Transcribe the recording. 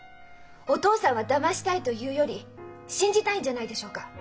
お父さんはだましたいというより信じたいんじゃないでしょうか？